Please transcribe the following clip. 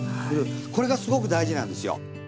これがすごく大事なんですよ。